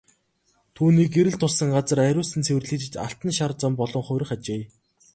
Түүний гэрэл туссан газар ариусан цэвэрлэгдэж алтан шар зам болон хувирах ажээ.